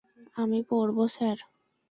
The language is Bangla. আমি পড়ব, স্যার।